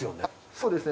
そうですね。